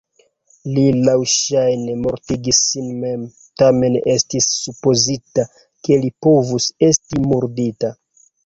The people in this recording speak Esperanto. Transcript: Li laŭŝajne mortigis sin mem, tamen estis supozita ke li povus esti murdita.